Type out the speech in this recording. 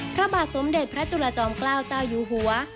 พระบาทสมเด็จพระจุลจอมเกล้าเจ้าอยู่หัว